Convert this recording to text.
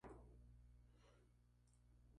La construcción está realizada en piedra.